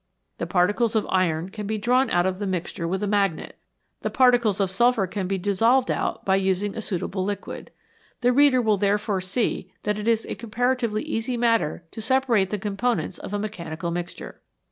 The particles of iron can be drawn out of the mixture with a magnet ; the 33 c NATURE'S BUILDING MATERIAL particles of sulphur can be dissolved out by using a suitable liquid. The reader will therefore see that it is a comparatively easy matter to separate the components of a mechanical mixture.